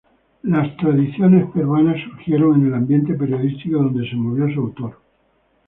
Las "Tradiciones peruanas" surgieron en el ambiente periodístico donde se movió su autor.